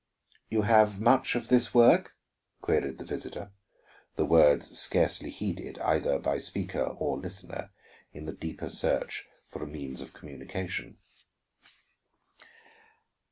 "You have much of this work?" queried the visitor, the words scarcely heeded either by speaker or listener in the deeper search for a means of communication.